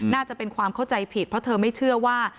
น่าจะเป็นความเข้าใจผิดเพราะเธอไม่เชื่อว่า